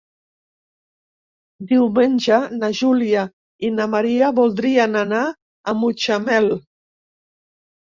Diumenge na Júlia i na Maria voldrien anar a Mutxamel.